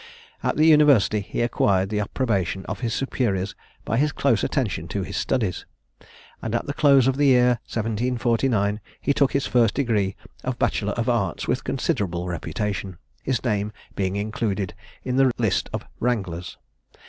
At the University he acquired the approbation of his superiors by his close attention to his studies; and at the close of the year 1749 he took his first degree of bachelor of arts with considerable reputation, his name being included in the list of wranglers.